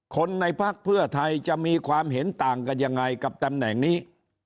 คนในพักเพื่อไทยจะมีความเห็นต่างกันยังไงกับตำแหน่งนี้